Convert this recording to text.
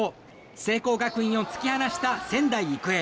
聖光学院を突き放した仙台育英。